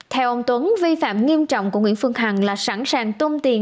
theo ông tuấn vi phạm nghiêm trọng của nguyễn phương hằng là sẵn sàng tông tiền